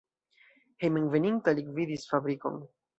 Hejmenveninta li gvidis fabrikon.